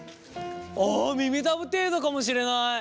ああ耳たぶ程度かもしれない。